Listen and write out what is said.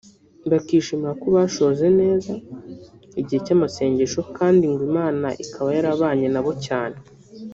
bakishimira ko basoje neza igihe cy’amasengesho kandi ngo Imana ikaba yarabanye nabo cyane